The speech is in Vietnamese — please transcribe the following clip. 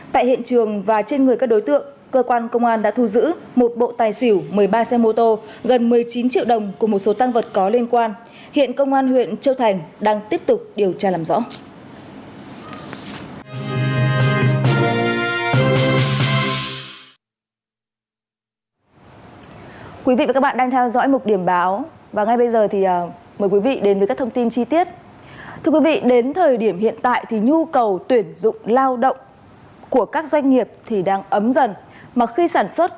tại hiện trường và trên người các đối tượng cơ quan công an đã thu giữ một bộ tài xỉu một mươi ba xe mô tô